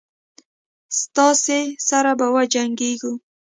ستاسي سره به وجنګیږو.